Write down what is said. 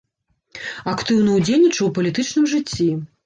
Актыўна ўдзельнічаў у палітычным жыцці.